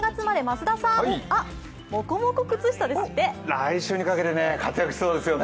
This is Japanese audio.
来週にかけて活躍しそうですよね。